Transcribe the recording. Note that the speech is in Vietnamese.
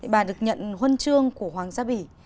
bà được nhận huân chương của hoàng gia bỉ